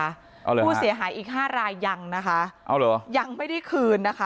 เอาเลยผู้เสียหายอีกห้ารายยังนะคะเอาเหรอยังไม่ได้คืนนะคะ